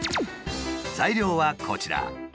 材料はこちら。